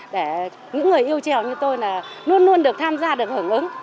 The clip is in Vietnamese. để những người yêu trèo như tôi luôn luôn được tham gia được hưởng ứng